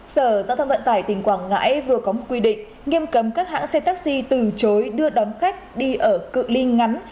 sở giao thông vận tải tỉnh quảng ngãi vừa có một quy định nghiêm cấm các hãng xe taxi từ chối đưa đón khách đi ở cự li ngắn